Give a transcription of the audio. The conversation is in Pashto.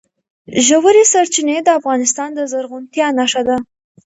ژورې سرچینې د افغانستان د زرغونتیا نښه ده.